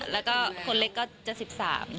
แล้วก็คนเล็กก็จะ๑๓